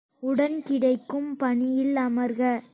உடன் கிடைக்கும் பணியில் அமர்க!